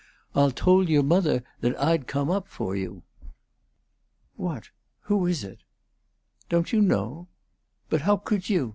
Alh told you' mothah Ah would come up fo' you." "What who is it?" "Don't you know? But ho' could you?